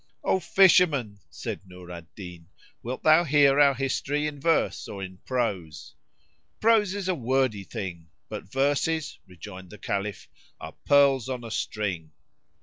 "O fisherman," said Nur al Din, "Wilt thou hear our history in verse or in prose?" "Prose is a wordy thing, but verses," rejoined the Caliph, "are pearls on string."